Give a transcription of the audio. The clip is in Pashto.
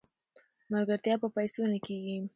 ملګرتیا په پیسو نه کیږي.